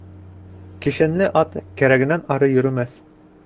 Кешәнле ат кәрәгенән ары йөрөмәҫ.